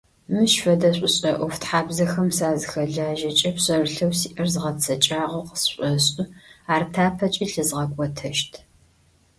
Мыщ фэдэ шӏушӏэ ӏофтхьабзэхэм сазыхэлажьэкӏэ пшъэрылъэу сиӏэр згъэцэкӏагъэу къысшӏошӏы, ар тапэкӏи лъызгъэкӏотэщт.